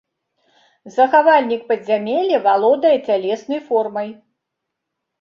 Захавальнік падзямелля валодае цялеснай формай.